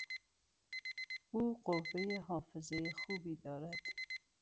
او قوهٔ حافظه خوبی دارد.